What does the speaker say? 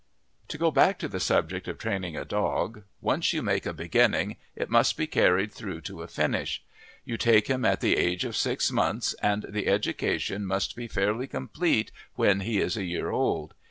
To go back to the subject of training a dog. Once you make a beginning it must be carried through to a finish. You take him at the age of six months, and the education must be fairly complete when he is a year old.